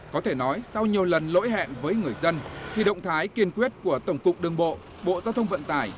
có thể nói sau nhiều lần lỗi hẹn với người dân thì động thái kiên quyết của tổng cục đường bộ bộ giao thông vận tải